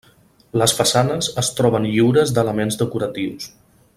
Les façanes es troben lliures d'elements decoratius.